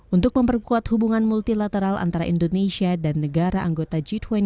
untuk memperkuat hubungan multilateral antara indonesia dan negara anggota g dua puluh